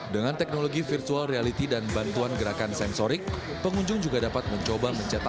dengan teknologi virtual reality dan bantuan gerakan sensorik pengunjung juga dapat mencoba mencetak